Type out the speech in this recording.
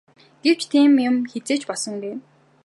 Гэвч тийм юм хэзээ ч болсонгүй.